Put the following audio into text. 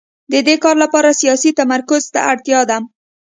د دې کار لپاره سیاسي تمرکز ته اړتیا ده